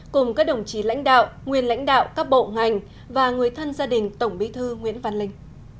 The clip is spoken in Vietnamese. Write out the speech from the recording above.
cùng các đồng chí lãnh đạo nguyên lãnh đạo các bộ ngành và người thân gia đình tổng bí thư nguyễn văn linh